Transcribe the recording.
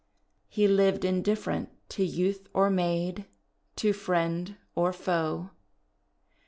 He lived indifferent to youth or maid, to friend or foe.